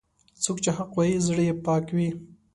څوک چې حق وايي، زړه یې پاک وي.